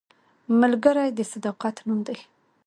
ملګری د صداقت نوم دی